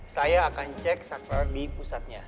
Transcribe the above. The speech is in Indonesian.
saya akan cek saklar di pusatnya